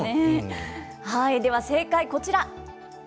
では正解、こちら。